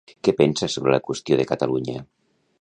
Què pensa sobre la qüestió de Catalunya?